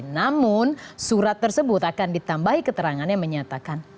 namun surat tersebut akan ditambahi keterangannya menyatakan